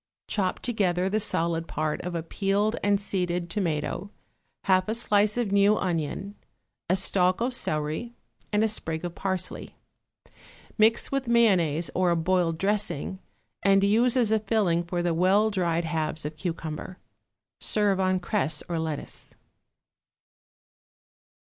Chop together the solid part of a peeled and seeded tomato, half a slice of new onion, a stalk of celery and a sprig of parsley; mix with mayonnaise or a boiled dressing and use as a filling for the well dried halves of cucumber. Serve on cress or lettuce.